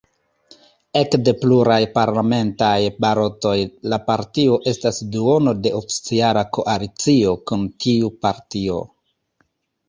Ekde pluraj parlamentaj balotoj la partio estas duono de oficiala koalicio kun tiu partio.